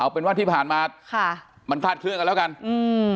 เป็นว่าที่ผ่านมาค่ะมันคลาดเคลื่อนกันแล้วกันอืม